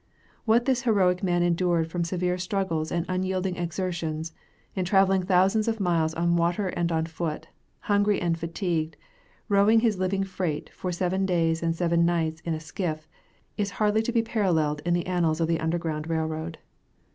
What this heroic man endured from severe struggles and unyielding exertions, in traveling thousands of miles on water and on foot, hungry and fatigued, rowing his living freight for seven days and seven nights in a skiff, is hardly to be paralleled in the annals of the Underground Rail Road.